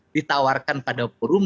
ditawarkan pada forum